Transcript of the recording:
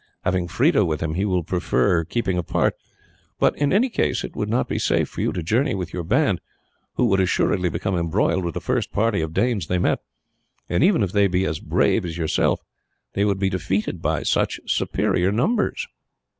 Having Freda with him, he will prefer keeping apart; but in any case it would not be safe for you to journey with your band, who would assuredly become embroiled with the first party of Danes they met; and even if they be as brave as yourself they would be defeated by such superior numbers."